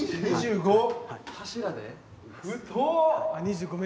柱で？